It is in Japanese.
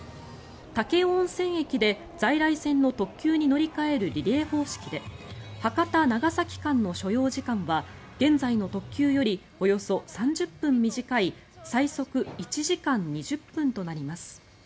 武雄温泉駅で在来線の特急に乗り換えるリレー方式で博多長崎間の所要時間は現在の特急よりおよそ３０分短い最速１時間２０分となります。